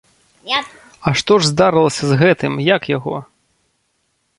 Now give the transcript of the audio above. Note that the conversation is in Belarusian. А што ж здарылася з гэтым, як яго?